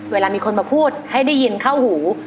เวลามีคนมาพูดให้ได้ยินเข้าหู